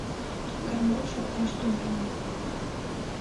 Гармонь шокташ тунеме.